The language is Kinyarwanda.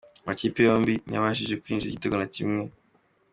amakipe yombi ntayabashije kwinjiza igitego na kimwe.